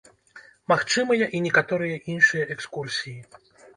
Магчымыя і некаторыя іншыя экскурсіі.